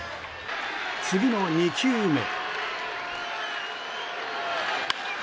次の２球目。